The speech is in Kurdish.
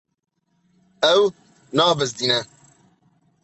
Ew nabizdîne.